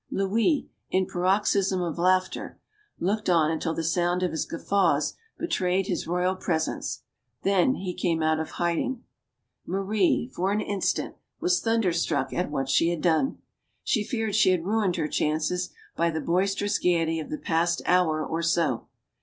Louis, in paroxysms of laughter, looked on until the sound of his guffaws betrayed his royal presence. Then he came out of hiding. Marie, for an instant, was thunder struck at what she had done. She feared she had ruined her chances by the boisterous gayety of the past hour or so.